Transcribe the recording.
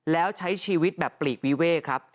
แล้วใช้ชีวิตแบบปลีกวิเวกครับ